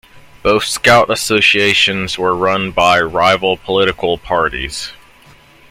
Both Scout associations were run by rival political parties.